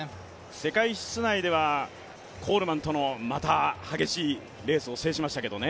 世界室内では、コールマンとの激しいレースを制しましたけどね。